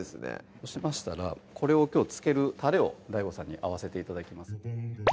そうしましたらこれをきょう漬けるたれをＤＡＩＧＯさんに合わせて頂きます